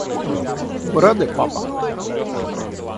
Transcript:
Вы рады, папа?